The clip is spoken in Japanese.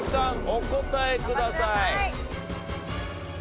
お答えください。